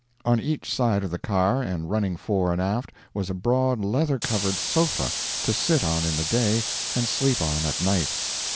On each side of the car, and running fore and aft, was a broad leather covered sofa to sit on in the day and sleep on at night.